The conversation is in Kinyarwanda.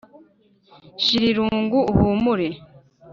shira irungu uhumure